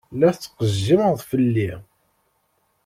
La tettqejjimeḍ fell-i.